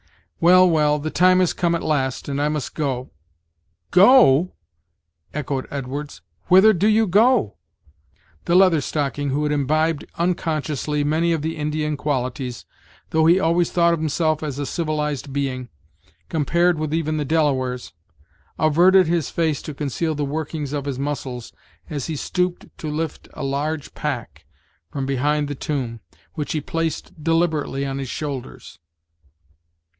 Well, well! the time has come at last, and I must go " "Go!" echoed Edwards, "whither do you go?" The Leather Stocking; who had imbibed unconsciously, many of the Indian qualities, though he always thought of himself as of a civilized being, compared with even the Delawares, averted his face to conceal the workings of his muscles, as he stooped to lift a large pack from behind the tomb, which he placed deliberately on his shoulders.